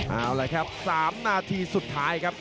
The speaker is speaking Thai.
เอาละครับ๓นาทีสุดท้ายครับ